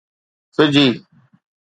فجي